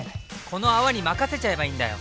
この泡に任せちゃえばいいんだよ！